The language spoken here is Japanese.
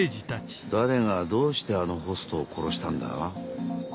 誰がどうしてあのホストを殺したんだ？